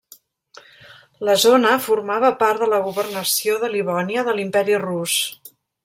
La zona formava part de la governació de Livònia de l'Imperi Rus.